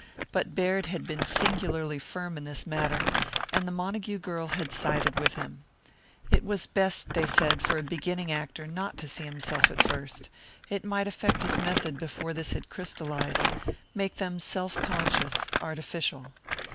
But Baird had been singularly firm in this matter, and the Montague girl had sided with him. It was best, they said, for a beginning actor not to see himself at first. It might affect his method before this had crystallized; make them self conscious, artificial.